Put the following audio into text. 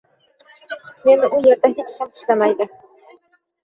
Meni u erda hech kim xushlamaydi